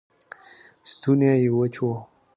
ستونی یې وچ و